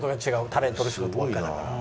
タレントの仕事ばっかりだから。